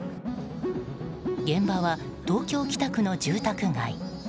現場は東京・北区の住宅街。